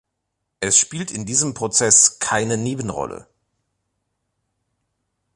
Es spielt in diesem Prozess keine Nebenrolle.